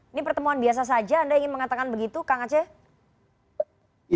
ini pertemuan biasa saja anda ingin mengatakan begitu kang aceh